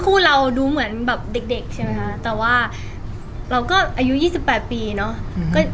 เราดูเหมือนแบบเด็กใช่ไหมคะแต่ว่าเราก็อายุ๒๘ปีเนาะ